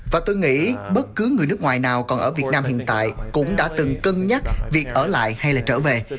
và tôi nghĩ bất cứ người nước ngoài nào còn ở việt nam hiện tại cũng đã từng cân nhắc việc ở lại hay là trở về